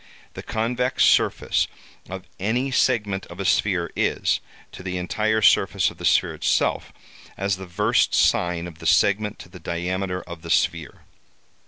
The convex surface of any segment of a sphere is, to the entire surface of the sphere itself, as the versed sine of the segment to the diameter of the sphere.